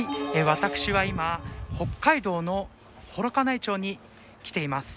私は今北海道の幌加内町に来ています。